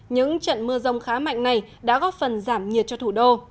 những trận mưa rông khá mạnh này đã góp phần giảm nhiệt cho thủ đô